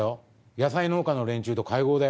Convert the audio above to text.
野菜農家の連中と会合だよ。